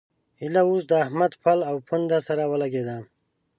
ايله اوس د احمد پل او پونده سره ولګېده.